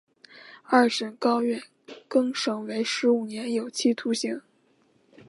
二审高院更审为十五年有期徒刑。